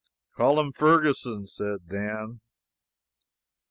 "Call him Ferguson," said Dan.